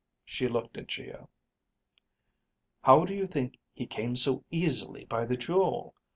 She looked at Geo. "How do you think he came so easily by the jewel?